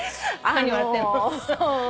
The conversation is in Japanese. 何笑ってんの？